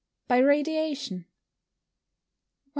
_ By radiation. 186.